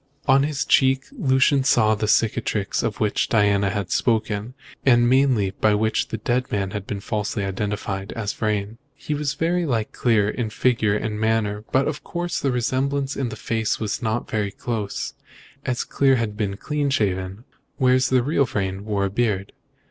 On his cheek Lucian saw the cicatrice of which Diana had spoken, and mainly by which the dead man had been falsely identified as Vrain. He was very like Clear in figure and manner; but, of course, the resemblance in the face was not very close, as Clear had been clean shaven, whereas the real Vrain wore a beard.